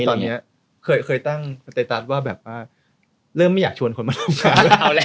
ตอนนี้เคยตั้งประเทศว่าเริ่มไม่อยากชวนคนมาทำงาน